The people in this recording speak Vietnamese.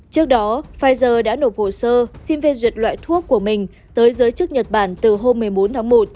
trước đó pfizer đã nộp hồ sơ xin phê duyệt loại thuốc của mình tới giới chức nhật bản từ hôm một mươi bốn tháng một